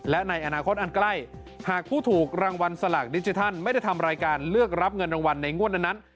และในอนาคตอันใกล้หากผู้ถูกรางวัลสลากดิจิทัลไม่ได้ทำรายการเลือกรับเงินรางวัลในงวดนั้น